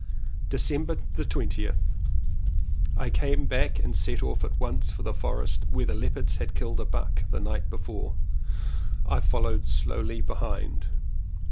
December 20th. I came back and set off at once for the forest where leopards had killed a buck the night before. I followed slowly behind.